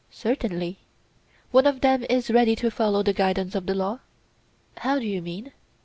Certainly. One of them is ready to follow the guidance of the law? How do you mean?